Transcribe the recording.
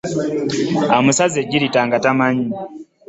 Amusaze ejjirita nga tamanyi.